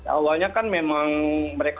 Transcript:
awalnya kan memang mereka